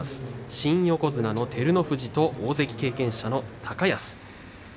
新横綱の照ノ富士と大関経験者の高安です。